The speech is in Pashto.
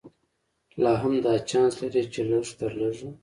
لا هم دا چانس لري چې لږ تر لږه.